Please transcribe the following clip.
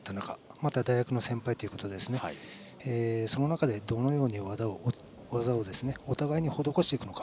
また大学の先輩ということでその中で技をお互い、施していくのか